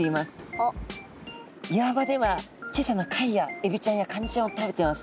岩場では小さな貝やエビちゃんやカニちゃんを食べてます。